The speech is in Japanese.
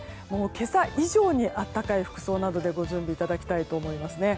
今朝以上に暖かい服装などでご準備いただきたいと思います。